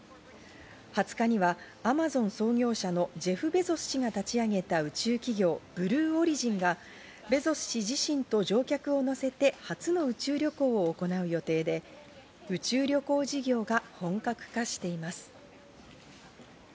２０日にはアマゾン創業者のジェフ・ベゾス氏の立ち上げた宇宙企業、ブルーオリジンがベゾス氏自身と乗客を乗せて、初の宇宙旅行を行う予定で、宇宙旅行事業が本格化しています。